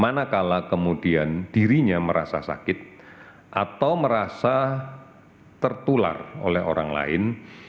manakala kemudian dirinya merasa sakit atau merasa tertular oleh orang lain